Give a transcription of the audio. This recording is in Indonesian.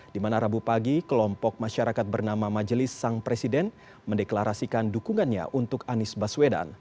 di mana rabu pagi kelompok masyarakat bernama majelis sang presiden mendeklarasikan dukungannya untuk anies baswedan